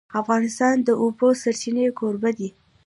افغانستان د د اوبو سرچینې کوربه دی.